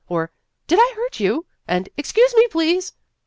Oh, did I hurt you ?" and, " Excuse me, please."